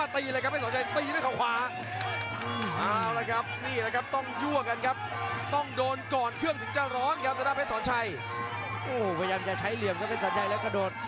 พยายามจะใช้เหลี่ยมครับเพชรสัญชัยแล้วกระโดด